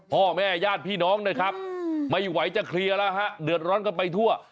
พ่อแม่ญาติพี่น้องนะครับไม่ไหวจะเคลียร์แล้วฮะเดือดร้อนกันไปทั่ว